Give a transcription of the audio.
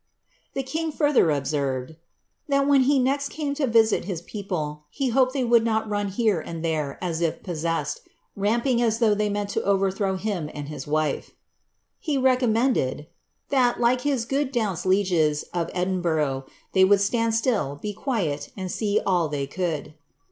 The king further observed, ^ that when he next came to visit his peo ple, he ho^ they would not run here and there as if possessed, ramp mg as though they meant to overthrow him and his wife ;" he recom mended, ^ that, like his good douce lieges of Edinburgh, they would stand still, be quiet, and see all they could."